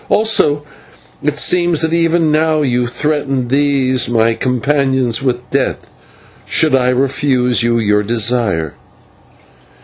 Also it seems that even now you threaten these my companions with death, should I refuse you your desire."